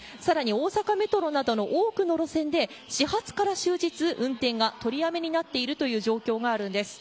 大阪メトロなど多くの路線で始発から終日、運転が取りやめになっているという状況があるんです。